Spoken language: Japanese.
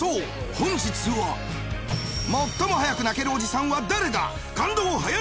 本日は最も早く泣けるおじさんは誰だ？